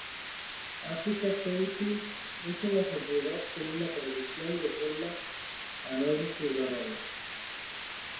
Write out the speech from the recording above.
África Ceutí es una sociedad con una tradición de formar a nuevos jugadores.